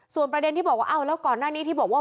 ส่วนประเด็นที่บอกว่าอ้าวแล้วก่อนหน้านี้ที่บอกว่า